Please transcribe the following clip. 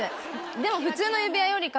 でも普通の指輪よりかは。